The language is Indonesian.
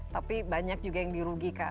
tapi banyak juga yang dirugikan